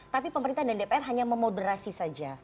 tapi pemerintah dan dpr hanya memoderasi saja